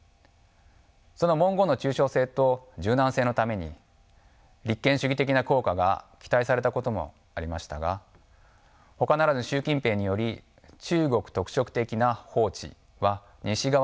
その文言の抽象性と柔軟性のために立憲主義的な効果が期待されたこともありましたがほかならぬ習近平により中国特色的な法治は西側の法治とは根本的に異なると明言されています。